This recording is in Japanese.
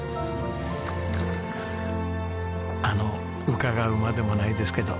あの伺うまでもないですけど